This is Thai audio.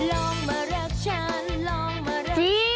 ลองมารักฉันลองมารักฉัน